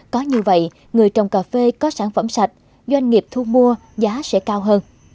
có như vậy người trồng cà phê có sản phẩm sạch doanh nghiệp thu mua giá sẽ cao hơn